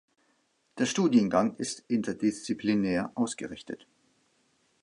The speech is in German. Der Studiengang ist interdisziplinär ausgerichtet.